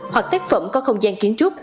hoặc tác phẩm có không gian kiến trúc